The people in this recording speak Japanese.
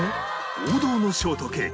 王道のショートケーキ